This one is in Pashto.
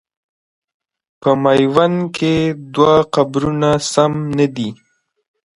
په میوند کې دوه قبرونه سم نه دي.